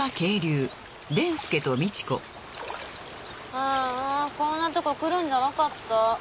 ああこんなとこ来るんじゃなかった。